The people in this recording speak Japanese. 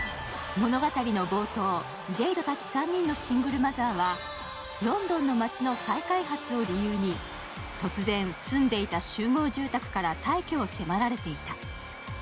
物語の冒頭、ジェイドたち３人のシングルマザーはロンドンの街の再開発を理由に突然、住んでいた集合住宅から退去を迫られていた。